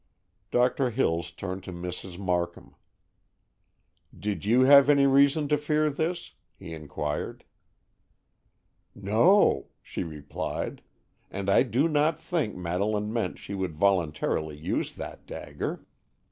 Doctor Hills turned to Mrs. Markham. "Did you have any reason to fear this?" he inquired. "No," she replied; "and I do not think Madeleine meant she would voluntarily use that dagger.